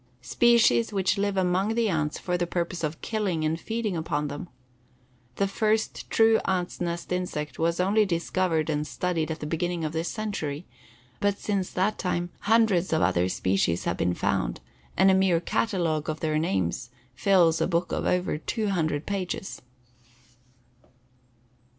Species which live among the ants for the purpose of killing and feeding upon them. The first true ants' nest insect was only discovered and studied at the beginning of this century, but since that time hundreds of other species have been found, and a mere catalogue of their names fills a book of over 200 pages.